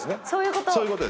そういうこと。